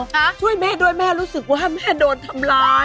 ช่วยแม่ด้วยแม่รู้สึกว่าแม่โดนทำร้าย